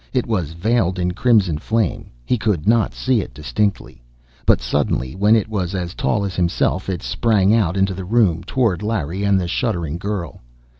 It was veiled in crimson flame; he could not see it distinctly. But suddenly, when it was as tall as himself, it sprang out into the room, toward Larry and the shuddering girl.